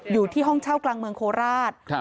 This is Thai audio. อยู่ที่ห้องเช่ากลางเมืองโคราช